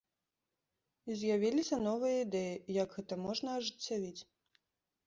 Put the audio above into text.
І з'явіліся новыя ідэі, як гэта можна ажыццявіць.